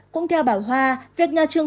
cũng theo bà hoa việc nhà trường